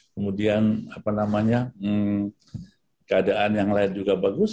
kemudian keadaan yang lain juga bagus